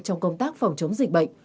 trong công tác phòng chống dịch bệnh